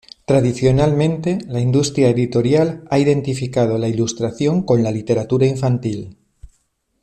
Tradicionalmente la industria editorial ha identificado la ilustración con la literatura infantil.